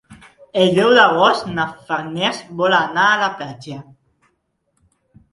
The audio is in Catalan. El deu d'agost na Farners vol anar a la platja.